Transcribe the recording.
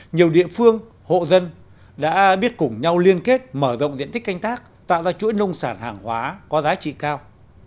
nhiều địa phương hộ dân đã biết cùng nhau liên kết mở rộng diện tích canh tác tạo ra chuỗi nông sản hàng hóa có giá trị cao